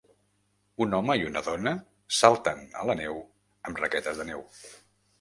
Un home i una dona salten a la neu amb raquetes de neu.